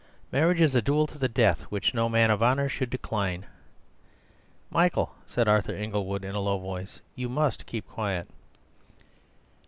"Marriage is a duel to the death, which no man of honour should decline." "Michael," said Arthur Inglewood in a low voice, "you MUST keep quiet."